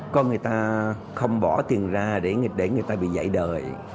con người ta không bỏ tiền ra để người ta bị dạy đời